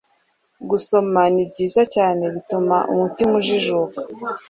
Gusoma ni byiza cyane. Bituma umuntu ajijuka.